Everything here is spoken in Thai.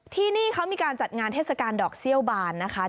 ที่นี่เขามีการจัดงานเทศกาลดอกเซี่ยวบานนะคะ